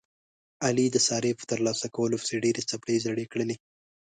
علي د سارې په ترلاسه کولو پسې ډېرې څپلۍ زړې کړلې.